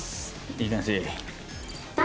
「いい感じ」